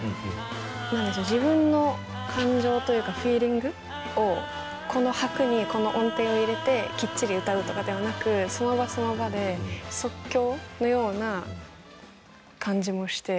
なんでしょう自分の感情というかフィーリングをこの拍にこの音程を入れてきっちり歌うとかではなくその場その場で即興のような感じもして。